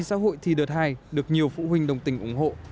trong khi xã hội thi đợt hai được nhiều phụ huynh đồng tình ủng hộ